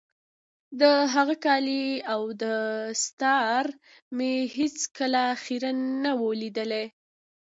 د هغه کالي او دستار مې هېڅ کله خيرن نه وو ليدلي.